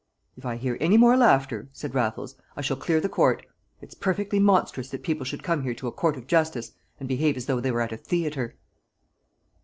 "If I hear any more laughter," said Raffles, "I shall clear the court. It's perfectly monstrous that people should come here to a court of justice and behave as though they were at a theatre."